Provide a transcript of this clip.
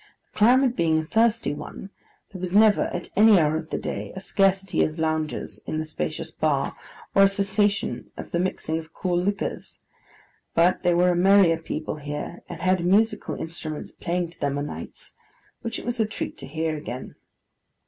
The climate being a thirsty one, there was never, at any hour of the day, a scarcity of loungers in the spacious bar, or a cessation of the mixing of cool liquors: but they were a merrier people here, and had musical instruments playing to them o' nights, which it was a treat to hear again.